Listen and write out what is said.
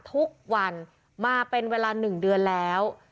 ทุกวันมาเป็นเวลา๑เดือนแล้ว